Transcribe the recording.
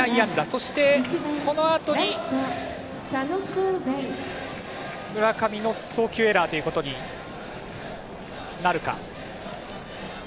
そして、村上の送球エラーということになるか。